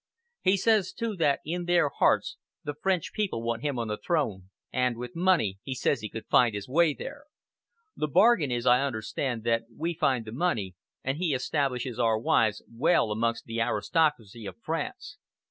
He says, too, that in their hearts the French people want him on the throne, and, with money, he says he could find his way there. The bargain is, I understand, that we find the money, and he establishes our wives well amongst the aristocracy of France.